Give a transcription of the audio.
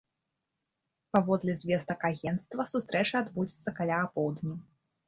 Паводле звестак агенцтва, сустрэча адбудзецца каля апоўдні.